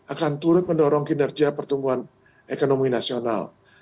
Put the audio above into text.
akan turut mendorong kinerja pertumbuhan ekonomi nasional